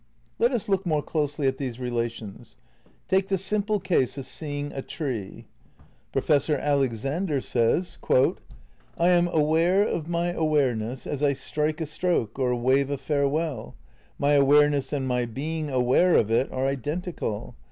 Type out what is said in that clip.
Let us look more closely at these relations. Take the simple case of seeing a tree. Professor Alexander says, "I am aware of my awareness as I strike a stroke or wave a farewell. My awareness and my being aware of it are identical.